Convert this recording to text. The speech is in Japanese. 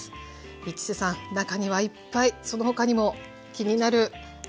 市瀬さん中にはいっぱいその他にも気になるレシピあります。